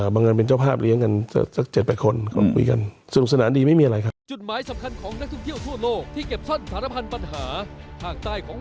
บางนั้นเป็นเจ้าภาพเลี้ยงกันสัก๗๘คน